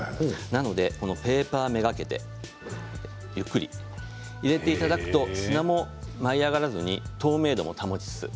なのでペーパー目がけてゆっくり入れていただくと砂も舞い上がらずに透明度も保ちつつ。